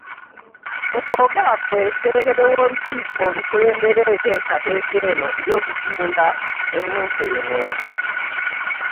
Mu kwogera kwe Ssentebe w'olukiiko olukulembera enteekateeka y'okuzimba ennyumba eno